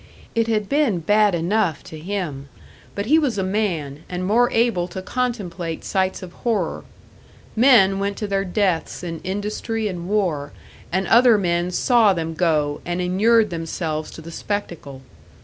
It had been bad enough to him but he was a man, and more able to contemplate sights of horror. Men went to their deaths in industry and war, and other men saw them go and inured themselves to the spectacle.